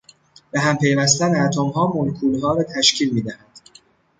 بههم پیوستن اتمها ملکولها را تشکیل میدهد.